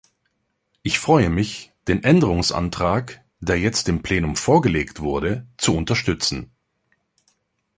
Ich freue mich, den Änderungsantrag, der jetzt dem Plenum vorgelegt wurde, zu unterstützen.